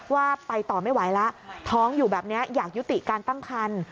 ว่าไปต่อไม่ไหวแล้วท้องอยู่แบบนี้อยากยุติการตั้งคัน